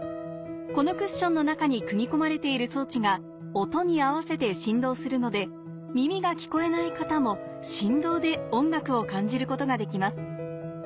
このクッションの中に組み込まれている装置が音に合わせて振動するので耳が聞こえない方も振動で音楽を感じることができます